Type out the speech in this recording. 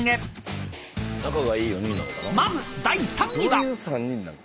［まず第３位は］